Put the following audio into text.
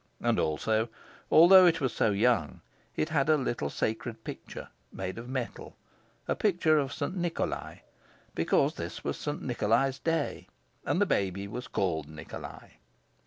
And also, although it was so young, it had a little sacred picture, made of metal, a picture of St. Nikolai; because this was St. Nikolai's day, and the baby was called Nikolai.